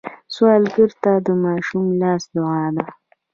سوالګر ته د ماشوم لاس دعا ده